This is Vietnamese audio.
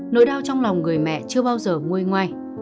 nỗi đau trong lòng người mẹ chưa bao giờ nguôi ngoai